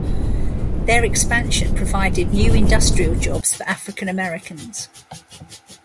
Their expansion provided new industrial jobs for African Americans.